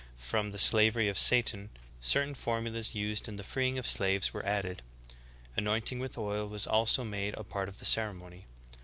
from the slavery of Satan, certain formulas used in the freeing of slaves were added. Anointing with oil was also made a part of the ceremony.